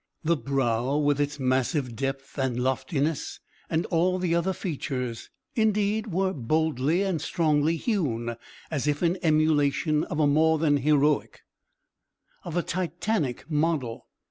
The brow, with its massive depth and loftiness, and all the other features, indeed, were boldly and strongly hewn, as if in emulation of a more than heroic, of a Titanic model.